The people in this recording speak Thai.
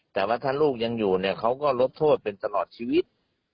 แต่ว่าถ้าลูกยังอยู่เนี่ยเขาก็ลดโทษเป็นตลอดชีวิต